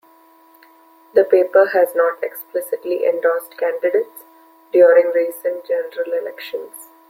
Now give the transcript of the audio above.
The paper has not explicitly endorsed candidates during recent general elections.